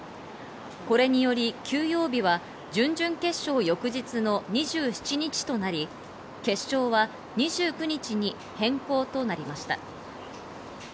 これにより休養日は準々決勝翌日の２７日となり、決勝は２９日に変更となりました。